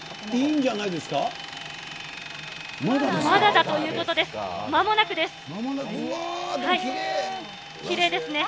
まだだということです。